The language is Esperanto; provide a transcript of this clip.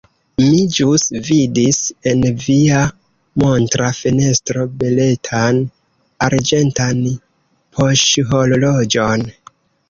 Mi ĵus vidis en via montra fenestro beletan arĝentan poŝhorloĝon.